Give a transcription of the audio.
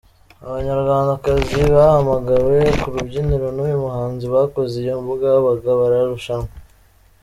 Abanyarwandakazi bahamagawe ku rubyiniro n’uyu muhanzi bakoze iyo bwabaga bararushanwa.